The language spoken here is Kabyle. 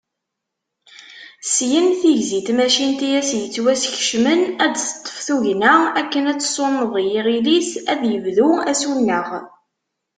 Syin, tigzi n tmacint i as-yettwaskecmen ad d-teṭṭef tugna akken ad tsuneḍ i yiɣil-is ad yebdu asuneɣ.